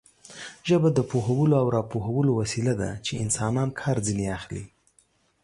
ژبه د پوهولو او راپوهولو وسیله ده چې انسانان کار ځنې اخلي.